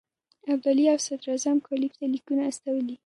ابدالي او صدراعظم کلایف ته لیکونه استولي.